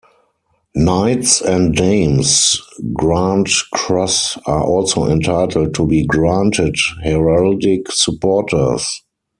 Knights and Dames Grand Cross are also entitled to be granted heraldic supporters.